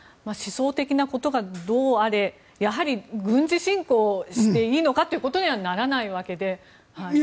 思想的なことがどうあれやはり軍事侵攻していいのかということにはならないわけで。